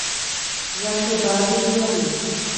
Jatobá do Piauí